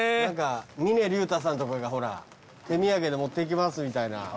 何か峰竜太さんとかがほら手土産で持っていきますみたいな。